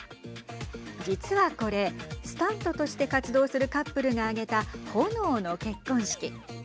実はこれスタントとして活動するカップルが挙げた炎の結婚式。